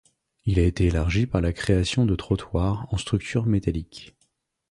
Il a été élargi par la création de trottoirs en structure métallique.